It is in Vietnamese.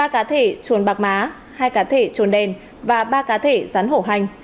ba cá thể chuồn bạc má hai cá thể chuồn đèn và ba cá thể rắn hổ hành